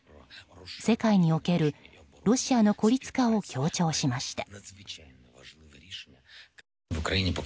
世界におけるロシアの孤立化を強調しました。